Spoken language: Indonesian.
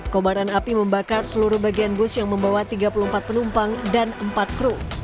kobaran api membakar seluruh bagian bus yang membawa tiga puluh empat penumpang dan empat kru